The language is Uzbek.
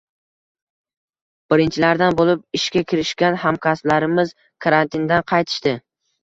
Birinchilardan bo`lib ishga kirishgan hamkasblarimiz karantindan qaytishdi